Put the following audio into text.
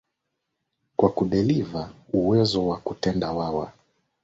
kwa kudeliver uwezo wa kutenda wawa